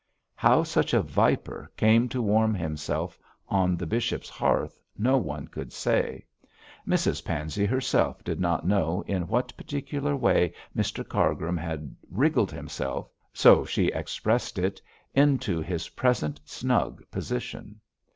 How such a viper came to warm itself on the bishop's hearth no one could say. Mrs Pansey herself did not know in what particular way Mr Cargrim had wriggled himself so she expressed it into his present snug position.